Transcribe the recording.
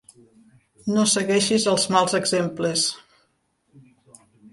No segueixis els mals exemples.